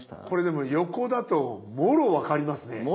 これでも横だともろ分かりますね。